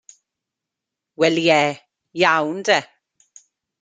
Wel ie, iawn 'de.